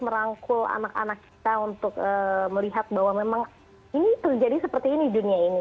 merangkul anak anak kita untuk melihat bahwa memang ini terjadi seperti ini dunia ini